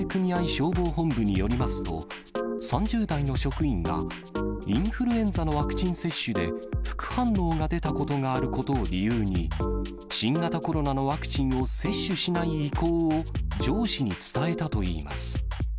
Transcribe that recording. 消防本部によりますと、３０代の職員が、インフルエンザのワクチン接種で副反応が出たことがあることを理由に、新型コロナのワクチンを接種しない意向を上司に伝えたといいます。